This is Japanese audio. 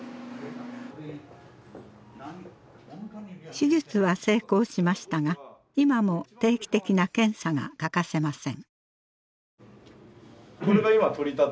手術は成功しましたが今も定期的な検査が欠かせません。